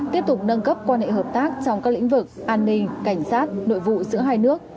tiếp tục nâng cấp quan hệ hợp tác trong các lĩnh vực an ninh cảnh sát nội vụ giữa hai nước